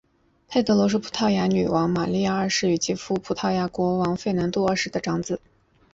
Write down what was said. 佩德罗是葡萄牙女王玛莉亚二世与其夫葡萄牙国王费南度二世的长子。